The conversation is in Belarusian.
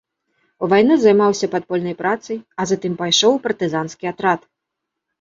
У вайну займаўся падпольнай працай, а затым пайшоў у партызанскі атрад.